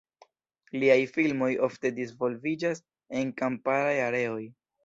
Liaj filmoj ofte disvolviĝas en kamparaj areoj.